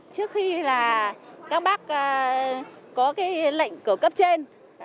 trước khi là các bác có cái lệnh của cấp trên